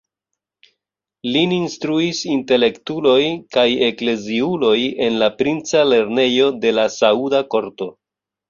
Lin instruis intelektuloj kaj ekleziuloj en la princa lernejo de la sauda korto.